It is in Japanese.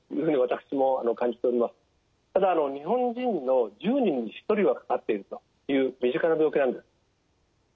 ただ日本人の１０人に１人はかかっているという身近な病気なんです。